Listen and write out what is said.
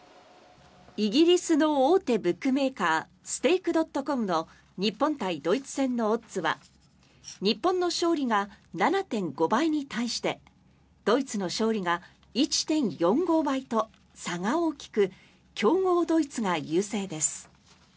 イギリスの大手ブックメーカーＳｔａｋｅ．ｃｏｍの日本対ドイツ戦のオッズは日本の勝利が７．５倍に対してドイツの勝利が１．４５倍と差が大きく強豪ドイツが優勢です。